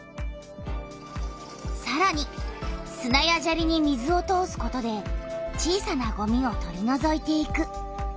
さらにすなやジャリに水を通すことで小さなゴミを取りのぞいていく。